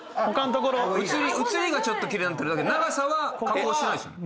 写りが奇麗になってるだけで長さは加工してないですよね？